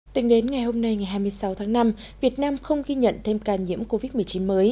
tính đến ngày hôm nay ngày hai mươi sáu tháng năm việt nam không ghi nhận thêm ca nhiễm covid một mươi chín mới